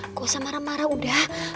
nggak usah marah marah udah